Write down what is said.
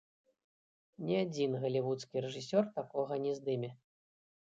Ні адзін галівудскі рэжысёр такога не здыме.